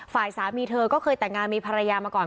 ฝ่ายสามีเธอก็เคยแต่งงานมีภรรยามาก่อน